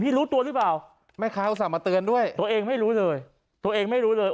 รู้ตัวหรือเปล่าแม่ค้าอุตส่าห์มาเตือนด้วยตัวเองไม่รู้เลยตัวเองไม่รู้เลย